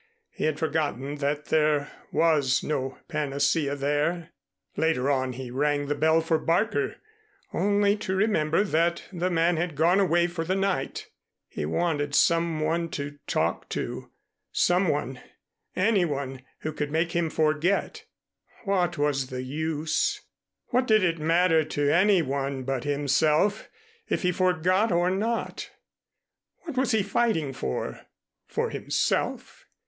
He had forgotten that there was no panacea there. Later on he rang the bell for Barker, only to remember that the man had gone away for the night. He wanted some one to talk to some one any one who could make him forget. What was the use? What did it matter to any one but himself if he forgot or not? What was he fighting for? For himself?